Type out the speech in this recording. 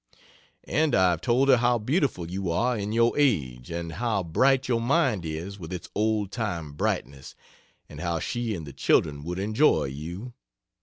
And I have told her how beautiful you are in your age and how bright your mind is with its old time brightness, and how she and the children would enjoy you.